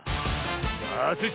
さあスイ